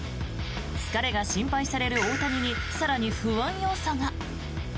疲れが心配される大谷に更に不安要素が。